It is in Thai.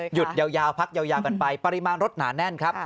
หยุดยาวพักยาวกันไปปริมาณรถหนาแน่นครับ